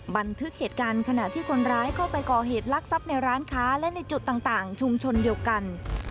บันทึกเหตุการณ์ขณะที่คนร้ายเข้าไปก่อเหตุลักษัพในร้านค้าและในจุดต่างชุมชนเดียวกัน